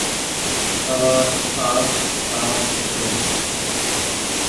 سوآر آس ڪآم ڇي۔